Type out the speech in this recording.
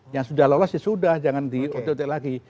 yang sudah lolos ya sudah jangan diototek lagi